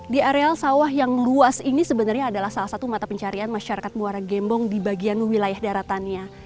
di areal sawah yang luas ini sebenarnya adalah salah satu mata pencarian masyarakat muara gembong di bagian wilayah daratannya